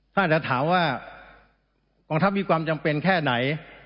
ถ้าจะถามว่ากองทัพมีความจำเป็นแค่ไหน